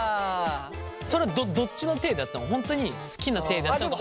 それはどっちの体でやったの本当に好きな体でやったのか。